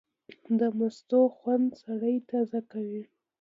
د مستو خوند سړی تازه کوي.